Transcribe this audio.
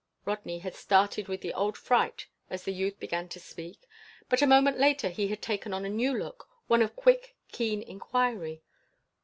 Rodney had started with the old fright as the youth began to speak, but a moment later he had taken on a new look one of quick, keen inquiry.